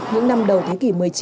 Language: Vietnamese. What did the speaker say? những năm đầu thế kỷ một mươi chín